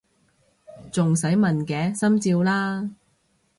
仲使問嘅！心照啦！